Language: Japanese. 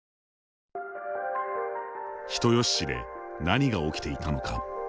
人吉市で何が起きていたのか。